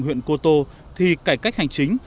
huyện cô tô thì cải cách hành chính